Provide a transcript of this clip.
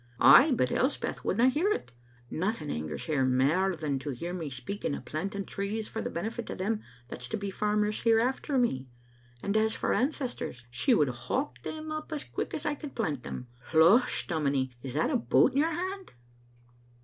Ay, but Elspeth wouldna hear o't. Nothing angers her mair than to hear me speak o' planting trees for the benefit o* them that's to be farmers here after me; and as for ancestors, she would howk them up as quick as I could plant them. Losh, dominie, is that a boot in your hand?"